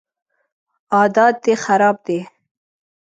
عادت دي خراب دی